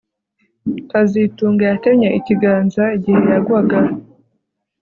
kazitunga yatemye ikiganza igihe yagwaga